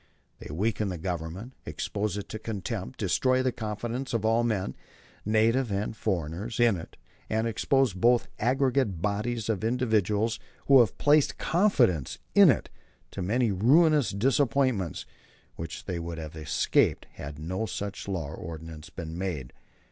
They weaken the government, expose it to contempt, destroy the confidence of all men, native and foreigners, in it, and expose both aggregate bodies and individuals who have placed confidence in it to many ruinous disappointments which they would have escaped had no such law or ordinance been made."